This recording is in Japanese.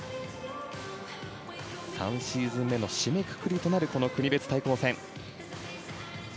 ３シーズン目の締めくくりとなる国別対抗戦。